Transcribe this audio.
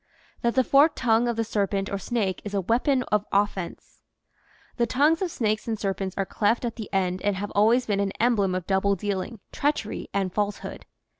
THAT THE FORKED TONGUE OF THE SERPENT OR SNAKE IS A WEAPON OF OFFENSE HE tongues of snakes and serpents are cleft at the end and have always been an emblem of double dealing, treachery, and falsehood.